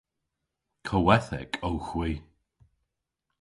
Kowethek owgh hwi.